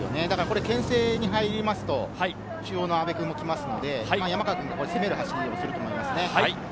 牽制に入りますと中央の阿部君も来ますので、山川君も攻める走りをすると思います。